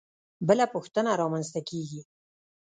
بله پوښتنه رامنځته کېږي.